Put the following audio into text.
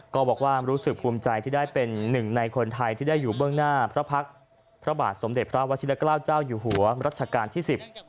ก็บอกว่ารู้สึกภูมิใจที่ได้เป็นหนึ่งในคนไทยที่ได้อยู่เบื้องหน้าพระพักษ์พระบาทสมเด็จพระวชิลเกล้าเจ้าอยู่หัวรัชกาลที่๑๐